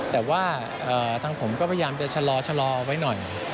แต่ว่าทางผมก็พยายามจะชะลอไว้หน่อย